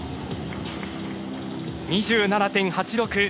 ２７．８６。